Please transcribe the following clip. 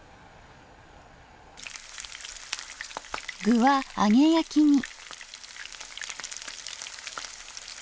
具は揚げ焼きに。